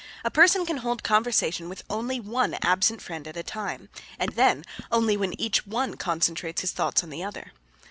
A person can hold conversation with only one absent friend at a time and then only when each one concentrates his thoughts on the other.